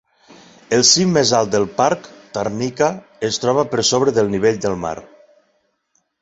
El cim més alt del parc, Tarnica, es troba per sobre del nivell del mar.